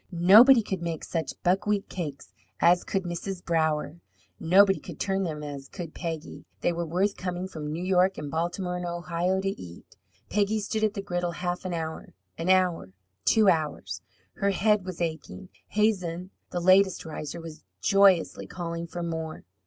Nobody could make such buckwheat cakes as could Mrs. Brower; nobody could turn them as could Peggy. They were worth coming from New York and Baltimore and Ohio to eat. Peggy stood at the griddle half an hour, an hour, two hours. Her head was aching. Hazen, the latest riser, was joyously calling for more.